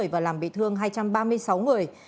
và làm bị thương hai trăm ba mươi sáu người